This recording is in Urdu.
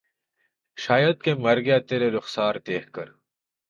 شاید کہ مر گیا ترے رخسار دیکھ کر